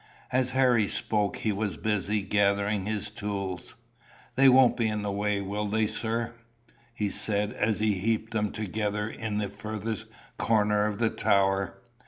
As Harry spoke he was busy gathering his tools. "They won't be in the way, will they, sir?" he said, as he heaped them together in the furthest corner of the tower.